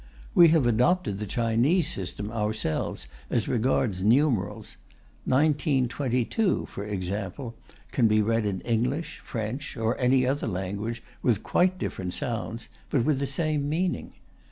We have adopted the Chinese system ourselves as regards numerals; "1922," for example, can be read in English, French, or any other language, with quite different sounds, but with the same meaning.